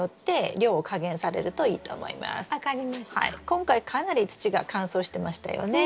今回かなり土が乾燥してましたよね。